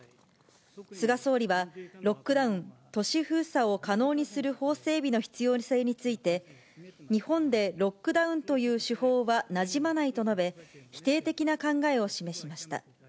菅総理は、ロックダウン・都市封鎖を可能にする法整備の必要性について、日本でロックダウンという手法はなじまないと述べ、否定的な考えを示しました。